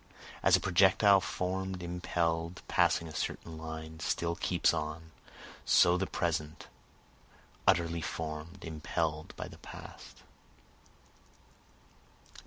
(As a projectile form'd, impell'd, passing a certain line, still keeps on, So the present, utterly form'd, impell'd by the past.)